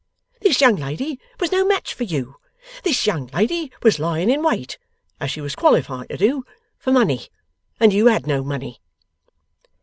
This young lady was no match for YOU. This young lady was lying in wait (as she was qualified to do) for money, and you had no money.